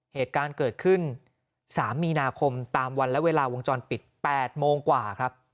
เหตุการณ์เกิดขึ้น๓มีนาคมตามวันและเวลาวงจรปิด๘โมงกว่าครับ